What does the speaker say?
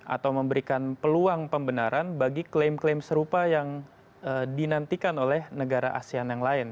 atau memberikan peluang pembenaran bagi klaim klaim serupa yang dinantikan oleh negara asean yang lain